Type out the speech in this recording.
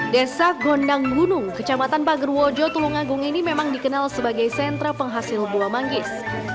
desa gondang gunung kecamatan pagerwojo tulungagung ini memang dikenal sebagai sentra penghasil buah manggis